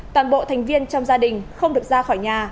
toàn bộ thành viên trong gia đình không được ra khỏi nhà